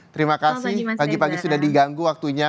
terima kasih pagi pagi sudah diganggu waktunya